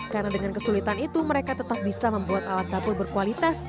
karena dengan kesulitan itu mereka tetap bisa membuat alat dapur berkualitas